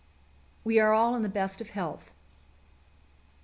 We are all in the best of health.